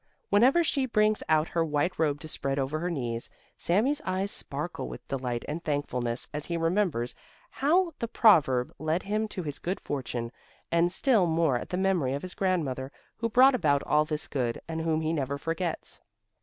Whenever she brings out her white robe to spread over her knees, Sami's eyes sparkle with delight and thankfulness as he remembers how the proverb led him to his good fortune, and still more at the memory of his grandmother, who brought about all this good, and whom he never forgets.